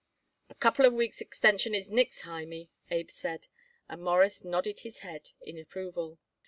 "A couple of weeks' extension is nix, Hymie," Abe said, and Morris nodded his head in approval.